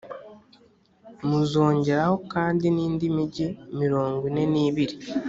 muzongeraho kandi n’indi migi mirongo ine n’ibiri;